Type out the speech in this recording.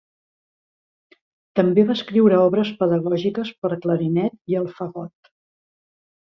També va escriure obres pedagògiques per a clarinet i el fagot.